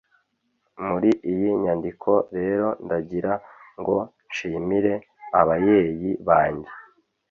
Muri iyi nyandiko rero ndagira ngo nshimire abayeyi bange